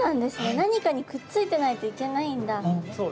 何かにくっついてないといけないんだ。